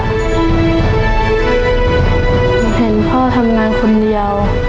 เห็นพ่อทำงานคนเดียว